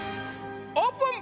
オープン！